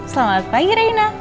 selamat pagi reina